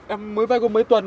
em mới vai cùng mấy tuần